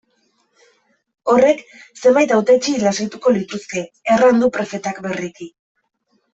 Horrek zenbait hautetsi lasaituko lituzke, erran du prefetak berriki.